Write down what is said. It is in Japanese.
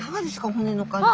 骨の感じ。